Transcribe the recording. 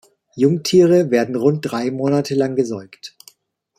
Jungtiere werden rund drei Monate lang gesäugt.